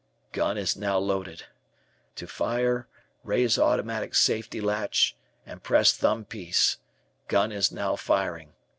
Gun is now loaded. To fire, raise automatic safety latch, and press thumb piece. Gun is now firing.